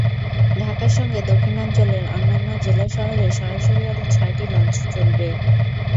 ঢাকার সঙ্গে দক্ষিণাঞ্চলের অন্যান্য জেলা শহরে সরাসরি আরও ছয়টি লঞ্চ চলবে।